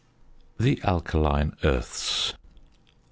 THE ALKALINE EARTHS.